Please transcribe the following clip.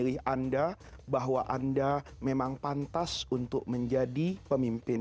pemilih anda bahwa anda benar benar pantas menjadi pemimpin